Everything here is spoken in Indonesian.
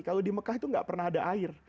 kalau di mekah itu nggak pernah ada air